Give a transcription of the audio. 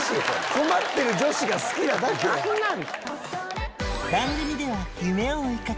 困ってる女子が好きなだけやん。